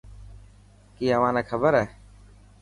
ڪي اوهان نا کبر هي.